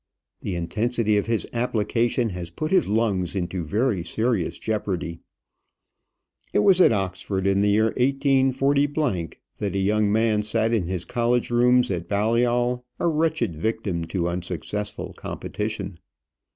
The intensity of his application has put his lungs into very serious jeopardy. It was at Oxford, in the year 184 , that a young man sat in his college rooms at Balliol a wretched victim to unsuccessful competition.